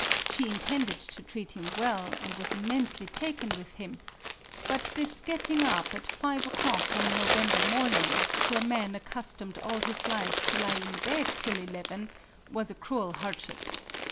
She intended to treat him well, and was immensely taken with him; but this getting up at five o'clock on a November morning, to a man accustomed all his life to lie in bed till eleven, was a cruel hardship.